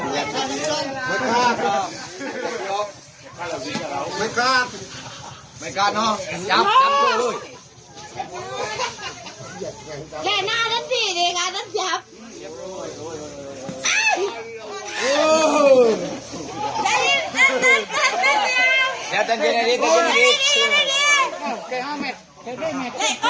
อย่าต้องเจ็ดให้ดีแล้วเข้าไหม